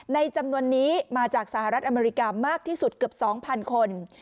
จำนวนนี้มาจากสหรัฐอเมริกามากที่สุดเกือบ๒๐๐คน